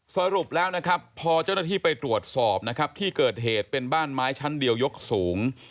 สรุปแล้วนะครับพอเจ้าหน้าที่ไปตรวจสอบนะครับที่เกิดเหตุเป็นบ้านไม้ชั้นเดียวยกสูง